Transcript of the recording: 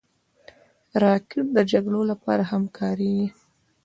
راکټ د جګړو لپاره هم کارېږي